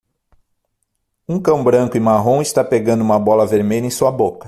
Um cão branco e marrom está pegando uma bola vermelha em sua boca